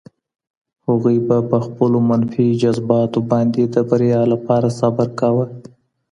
هغوی به په خپلو منفي جذباتو باندي د بریا لپاره صبر کاوه.